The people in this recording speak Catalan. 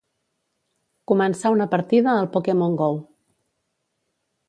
Començar una partida al "Pokémon Go".